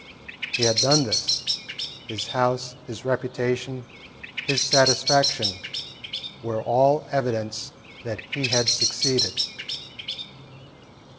He had done this. His house, his reputation, his satisfaction, were all evidences that he had succeeded.